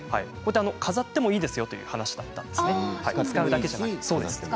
飾ってもいいですよという話だったんです使うだけじゃなくて。